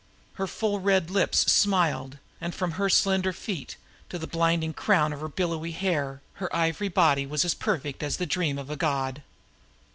Her full red lips smiled, and from her slim feet to the blinding crown of her billowy hair, her ivory body was as perfect as the dream of a god.